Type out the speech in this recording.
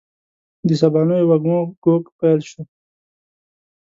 د سبانیو وږمو ږوږ پیل شو